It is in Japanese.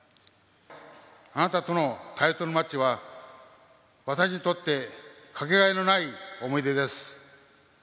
あなたとのタイトルマッチは、私にとって掛けがえのない思い出です。